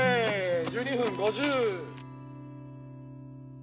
１２分５０。